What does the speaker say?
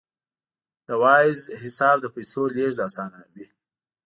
د وایز حساب د پیسو لیږد اسانوي.